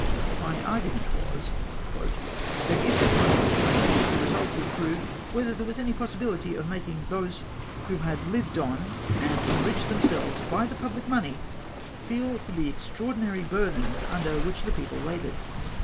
My argument was, " that if tliis motion were granted, the result would prove whether there was any possi bihty of making those icho had lived on, and enriched themselves by the jnihlic moneji, feel for the extraordi nary burthens under wdiich the people lal)0ured.